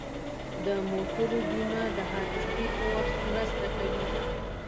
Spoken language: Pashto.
د موټرو بیمه د حادثې په وخت مرسته کوي.